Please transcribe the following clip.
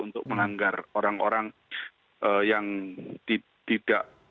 untuk melanggar orang orang yang tidak